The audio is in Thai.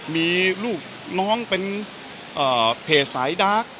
มีลูกน้องเป็นเพจสายดาร์ก